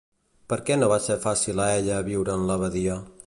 Per què no va ser fàcil per a ella viure en l'abadia?